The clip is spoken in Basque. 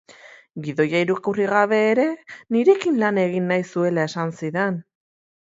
Gidoia irakurri gabe ere, nirekin lan egin nahi zuela esan zidan.